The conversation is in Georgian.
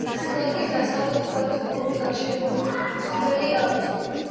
ბაზილიკას დასავლეთ მხარეს ყრუ გარსშემოსავლელი აქვს.